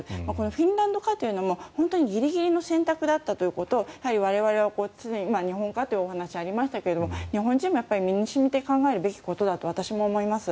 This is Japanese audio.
フィンランド化というのも本当にギリギリの選択だったということを我々は常に今、日本化という話がありましたが日本人も身に染みて考えるべきだと私も思います。